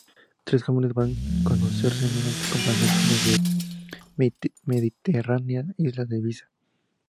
Tres jóvenes van a conocerse en un campamento en la mediterránea isla de Ibiza.